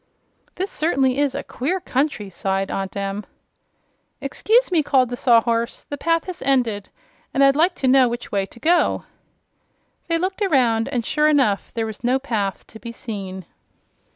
"This certainly is a queer country," sighed Aunt Em. "Excuse me," called the Sawhorse, "the path has ended and I'd like to know which way to go." They looked around and sure enough there was no path to be seen.